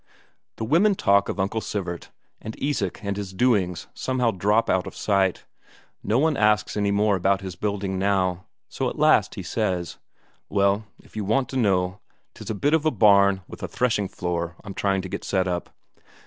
The women talk of Uncle Sivert, and Isak and his doings somehow drop out of sight; no one asks any more about his building now, so at last he says: "Well, if you want to know, 'tis a bit of a barn with a threshing floor I'm trying to get set up."